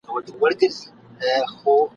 شپانه مو مړ دی د سهار غر مو شپېلۍ نه لري !.